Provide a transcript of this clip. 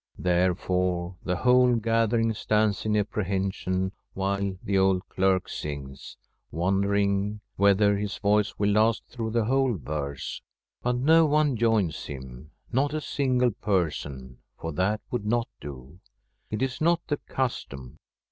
Therefore the whole gathering stands in apprehension while the old clerk sings, wonder ing whether his voice will last througli the whole verse. But no one joins him, not a smgle person, for that would not do ; it is not the custom.